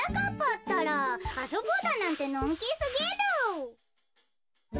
ったらあそぼうだなんてのんきすぎる。